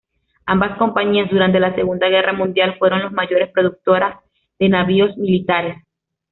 Ambas compañías, durante la Segunda Guerra Mundial, fueron los mayores productoras de navíos militares.